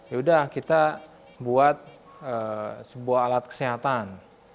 ya sudah kita buat sebuah alat kesehatan